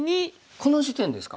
この時点ですか？